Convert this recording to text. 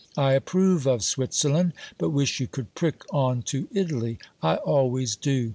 I approve of Switzerland, but wish you could prick on to Italy. I always do.